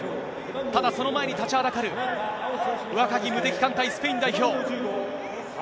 ただ、その前に立ちはだかる若き無敵艦隊、スペイン代表。